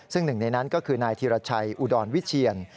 ซึ่งหนึ่งในนั้นก็คือนายธีรชัยอุดรวิเชียน